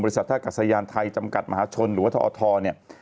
ท่ากัสยานไทยจำกัดมหาชนหรือว่าทอทเนี่ย